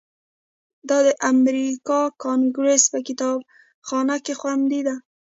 دا د امریکا کانګریس په کتابخانه کې خوندي ده.